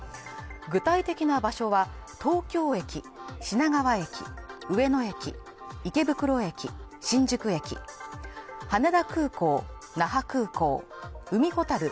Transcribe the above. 具体的な場所は東京駅品川駅、上野駅池袋駅、新宿駅羽田空港、那覇空港海ほたる